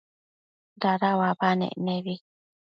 dada uabanec nebi